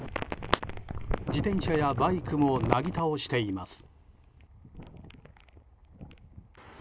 自転車やバイクもなぎ倒しています。